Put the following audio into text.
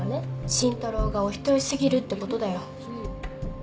慎太郎がお人よし過ぎるってことだよ。